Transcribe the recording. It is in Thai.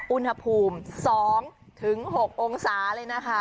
อุณหภูมิ๒๖องศาเลยนะคะ